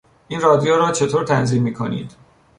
این رادیو را چطور تنظیم میکنید؟